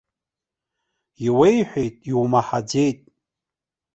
Иуеиҳәеит, иумаҳаӡеит.